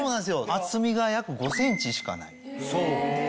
厚みが約５ｃｍしかない。